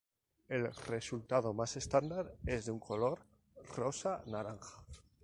El resultado más estándar es de un color rosa-naranja.